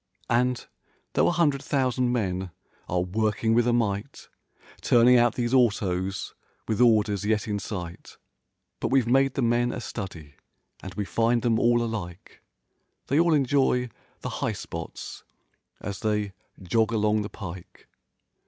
And, though a hundred thousand men are working with a might Turning out these autos, with orders yet in sight. But we've made the men a study and we find them all alike. They all enjoy the "high spots" as they "jog along the pike."